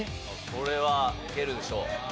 これはいけるでしょ。